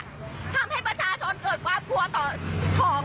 ทำให้ประชาชนเกิดความกลัวต่อของ